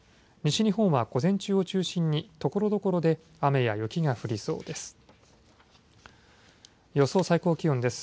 西日本は午前中を中心にところどころで雨や雪が降りそうです。